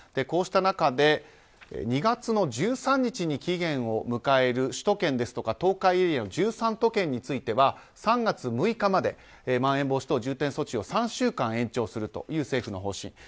こうした中で２月１３日に期限を迎える首都圏や東海エリアの１３都県については３月６日までまん延防止等重点措置を３週間延長するという政府の方針。